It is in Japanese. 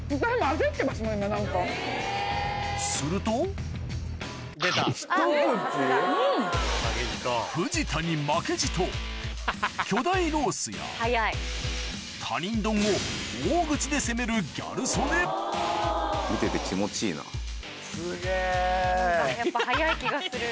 すると藤田に負けじと巨大ロースや他人丼を大口で攻めるギャル曽根・見てて気持ちいいな・・すげぇ・やっぱ早い気がする。